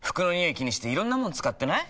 気にしていろんなもの使ってない？